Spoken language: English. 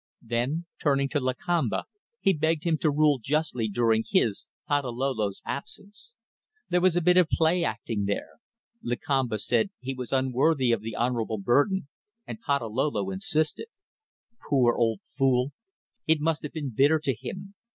Then, turning to Lakamba, he begged him to rule justly during his Patalolo's absence There was a bit of play acting there. Lakamba said he was unworthy of the honourable burden, and Patalolo insisted. Poor old fool! It must have been bitter to him.